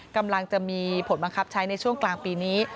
กำลังจะมีผลบังคับใช้ในช่วงกลางปีนี้